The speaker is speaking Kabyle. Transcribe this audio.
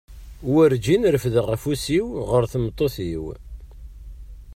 Warǧin refdeɣ afus-iw ɣer tmeṭṭut-iw.